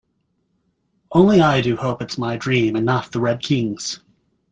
Only I do hope it’s my dream, and not the Red King’s!